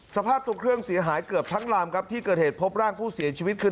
สภาพตัวเครื่องเสียหายเกือบทั้งลำครับที่เกิดเหตุพบร่างผู้เสียชีวิตคือ